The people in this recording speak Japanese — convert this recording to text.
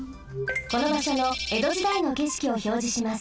このばしょの江戸時代のけしきをひょうじします。